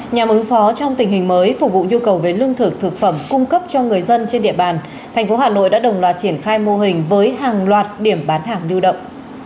nhằm ứng phó trong tình hình mới phục vụ nhu cầu về lương thực thực phẩm cung cấp cho người dân trên địa bàn thành phố hà nội đã đồng loạt triển khai mô hình với hàng loạt điểm bán hàng lưu động